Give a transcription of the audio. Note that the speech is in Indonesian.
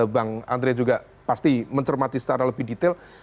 bang andre juga pasti mencermati secara lebih detail